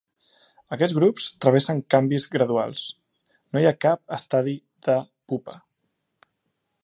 Aquests grups travessen canvis graduals; no hi ha cap estadi de pupa.